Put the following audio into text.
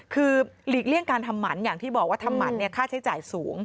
คือหลีกเลี่ยงการทำหมันอย่างที่บอกว่าทำหมันค่าใช้จ่ายสูง